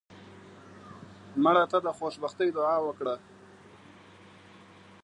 مړه ته د خوشبختۍ دعا وکړه